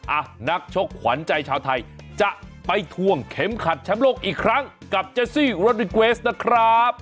อ่ะนักชกขวัญใจชาวไทยจะไปทวงเข็มขัดแชมป์โลกอีกครั้งกับเจซี่โรดิเกวสนะครับ